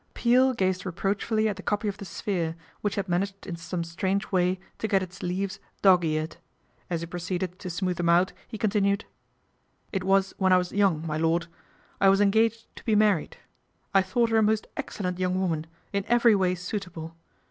Peel gazed reproachfully at a copy of The Sphere, which had managed in some strange way to get its leaves dog eared. As he proceeded to smooth them out he continued :" It was when I was young, my lord. I was en gaged to be married. I thought her a most excellent young woman, in every way suitable.